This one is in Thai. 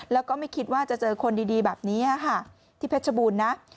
แล้วก็ไม่คิดว่าจะเจอคนดีแบบนี้ค่ะที่เพชรบูรณ์นะ